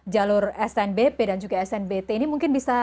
jalur snbp dan juga snbt ini mungkin bisa